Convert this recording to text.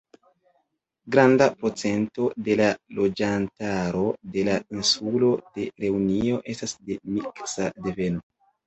Granda procento de la loĝantaro de la insulo de Reunio estas de miksa deveno.